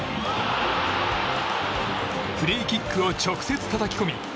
フリーキックを直接たたき込み